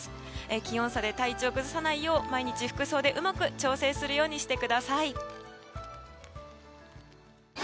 気温差で体調を崩さないよう毎日、服装でうまく調整するようにしてください。